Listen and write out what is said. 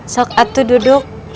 sok atuh duduk